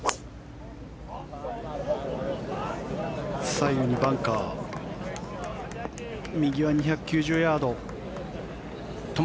左右にバンカー右は２９０ヤード。